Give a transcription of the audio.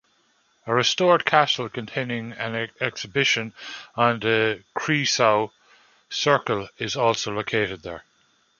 A restored castle containing an exhibition on the Kreisau Circle is also located there.